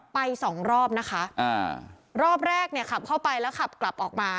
สองรอบนะคะอ่ารอบแรกเนี่ยขับเข้าไปแล้วขับกลับออกมา